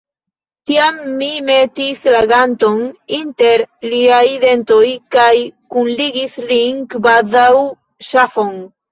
Tiam mi metis la ganton inter liaj dentoj kaj kunligis lin, kvazaŭ ŝafon.